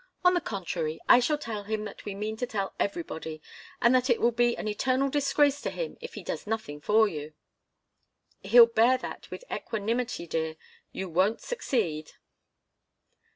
On the contrary, I shall tell him that we meant to tell everybody, and that it will be an eternal disgrace to him if he does nothing for you." "He'll bear that with equanimity, dear. You won't succeed."